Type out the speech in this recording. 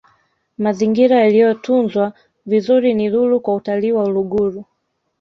mazingira yaliyotunzwa vizuri ni lulu kwa utalii wa uluguru